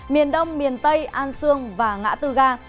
miền đông miền tây an sương và ngã tư ga